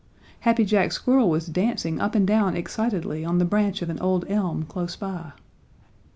Happy Jack Squirrel was dancing up and down excitedly on the branch of an old elm close by.